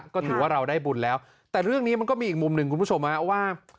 ก็ถือว่าเราได้บุญแล้วแต่เรื่องนี้มันก็มีอีกมุมหนึ่งคุณผู้ชมว่า